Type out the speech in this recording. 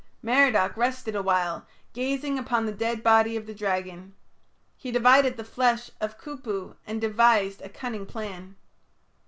Merodach rested a while, gazing upon the dead body of the dragon. He divided the flesh of Ku pu, and devised a cunning plan.